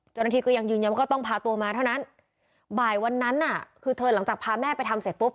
เจ้าหน้าที่ก็ยังยืนยันว่าก็ต้องพาตัวมาเท่านั้นบ่ายวันนั้นน่ะคือเธอหลังจากพาแม่ไปทำเสร็จปุ๊บ